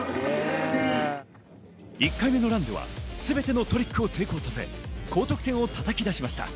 １回目のランではすべてのトリックを成功させ、高得点をたたき出しました。